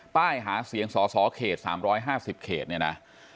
ป้ายหาเสียงสอสอเขต๓๕๐เขตเนี่ยนะ